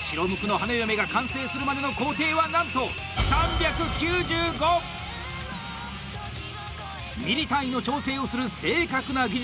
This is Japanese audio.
白無垢の花嫁が完成するまでの工程はなんとミリ単位の調整をする正確な技術！